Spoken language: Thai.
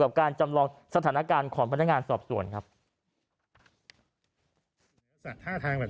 กับการจำลองสถานการณ์ของพนักงานสอบสวนครับ